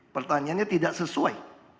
pertanyaannya tidak sesuai